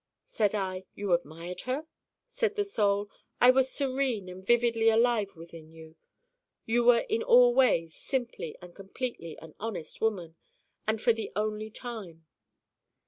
Said I: 'You admired her?' Said the Soul: 'I was serene and vividly alive within you. You were in all ways, simply and completely, an honest woman, and for the only time.